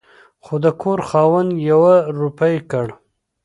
خو د کور خاوند يوه روپۍ کړ